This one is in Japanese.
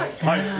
はい。